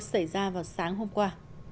chuyển ra vào sáng hôm qua